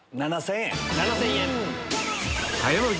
７０００円。